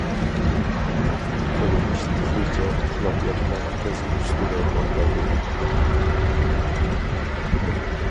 كۆرۈنۈش تېخىچە ئۇخلاپ ياتقان قىز ئۈستىدە توختايدۇ.